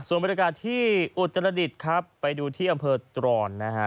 ส่วนบรรยากาศที่อุตรดิษฐ์ครับไปดูที่อำเภอตรอนนะฮะ